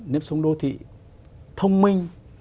nếp sống đô thị thông minh